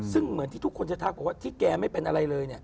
ซึ่งเหมือนที่ทุกคนจะทักบอกว่าที่แกไม่เป็นอะไรเลยเนี่ย